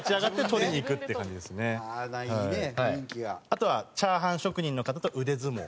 あとは「チャーハン職人の方と腕相撲」。